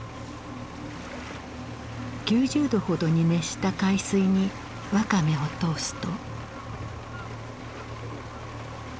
９０度ほどに熱した海水にワカメを通すと。